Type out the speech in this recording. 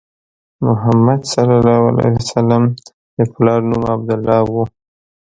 محمد صلی الله علیه وسلم د پلار نوم عبدالله و.